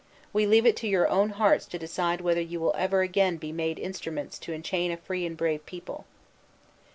We leave it to your own hearts to decide whether you will ever be again made instruments to enchain a free and brave people."